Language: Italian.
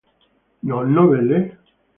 Non novelle?